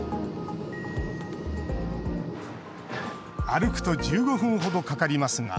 歩くと１５分ほどかかりますが。